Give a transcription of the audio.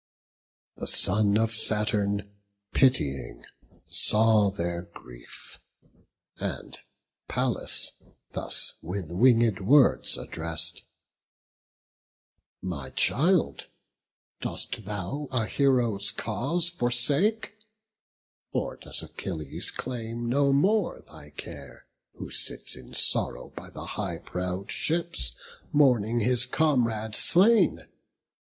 The son of Saturn, pitying, saw their grief, And Pallas thus with winged words address'd: "My child, dost thou a hero's cause forsake, Or does Achilles claim no more thy care, Who sits in sorrow by the high prow'd ships, Mourning his comrade slain?